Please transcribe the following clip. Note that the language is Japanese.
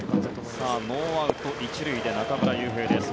さあ、ノーアウト１塁で中村悠平です。